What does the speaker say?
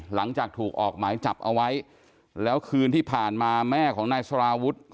หลังจากถูกออกหมายจับเอาไว้แล้วคืนที่ผ่านมาแม่ของนายสารวุฒิ